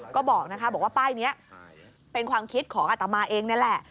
ก็บอกนะคะบอกว่าป้ายนี้เป็นความคิดของอัตมาเองนั่นแหละ